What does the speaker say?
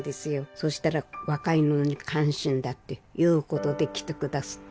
そしたら「若いのに感心だ」っていうことで来て下すって。